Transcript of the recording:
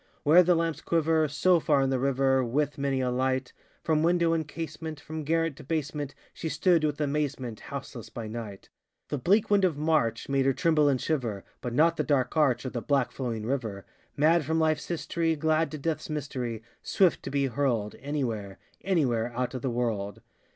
Where the lamps quiver So far in the river, With many a light From window and casement From garret to basement, She stood, with amazement, Houseless by night. The bleak wind of March Made her tremble and shiver, But not the dark arch, Or the black flowing river: Mad from lifeŌĆÖs history, Glad to deathŌĆÖs mystery, Swift to be hurlŌĆÖdŌĆö Anywhere, anywhere Out of the world!